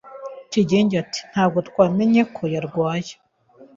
Kigingi ati: "Ntabwo twamenye ko yarwaye